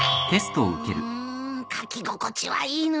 うん書き心地はいいのに。